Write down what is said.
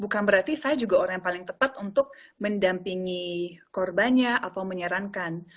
bukan berarti saya juga orang yang paling tepat untuk mendampingi korbannya atau menyarankan